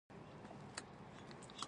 مڼه د زړه لپاره ګټوره ده.